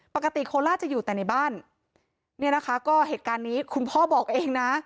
โคล่าจะอยู่แต่ในบ้านเนี่ยนะคะก็เหตุการณ์นี้คุณพ่อบอกเองนะ